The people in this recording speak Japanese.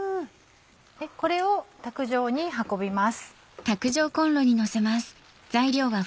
これを卓上に運びます。